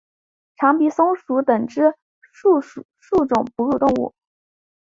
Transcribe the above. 长鼻松鼠属等之数种哺乳动物。